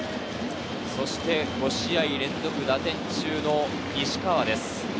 そして５試合連続打点中の西川です。